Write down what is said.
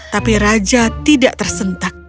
tapi raja tidak tersentak